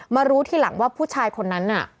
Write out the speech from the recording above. รู้ทีหลังว่าผู้ชายคนนั้นน่ะ